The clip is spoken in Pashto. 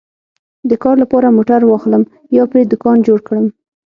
د کار لپاره موټر واخلم یا پرې دوکان جوړ کړم